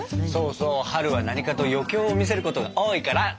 そうそう春は何かと余興を見せることが多いから。